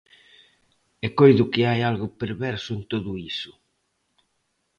E coido que hai algo perverso en todo iso.